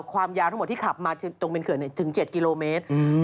ความยาวทั้งหมดที่ขับมาตรงเป็นเขื่อนถึง๗กิโลเมตร